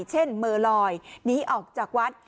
เช่นเมลอยหนีออกจากวัด